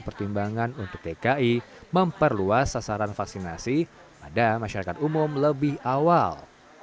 pertimbangan untuk dki memperluas sasaran vaksinasi pada masyarakat umum lebih awal